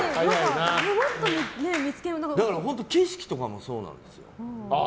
だから景色とかもそうなんですよ。